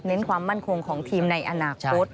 ความมั่นคงของทีมในอนาคต